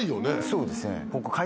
そうですね。